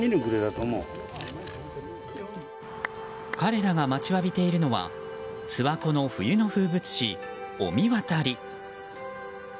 彼らが待ちわびているのは諏訪湖の冬の風物詩、御神渡り。